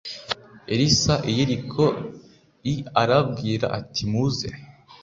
Elisa i Yeriko i arababwira ati muze